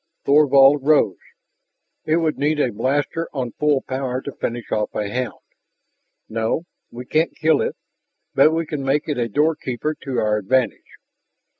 Thorvald rose. "It would need a blaster on full power to finish off a hound. No, we can't kill it. But we can make it a doorkeeper to our advantage."